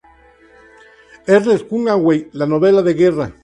Ernest Hemingway, la novela de guerra.